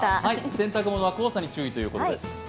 洗濯物は黄砂に注意ということで。